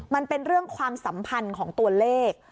มันเป็นเรื่องความสัมพันธ์ของตัวเลข